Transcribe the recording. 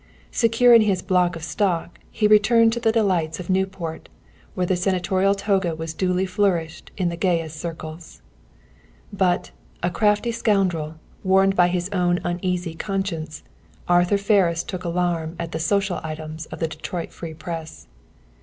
Secure in his "block of stock," he returned to the delights of Newport, where the Senatorial toga was duly flourished in the gayest circles. But, a crafty scoundrel, warned by his own uneasy conscience, Arthur Ferris took alarm at the "Social items" of the Detroit Free Press.